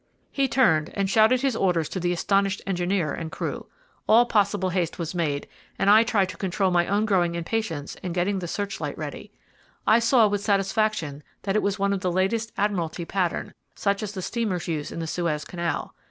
He turned, and shouted his orders to the astonished engineer and crew. All possible haste was made, and I tried to control my own growing impatience in getting the search light ready. I saw, with satisfaction, that it was one of the latest Admiralty pattern, such as the steamers use in the Suez Canal.